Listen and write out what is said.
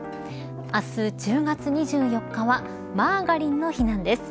明日１０月２４日はマーガリンの日なんです。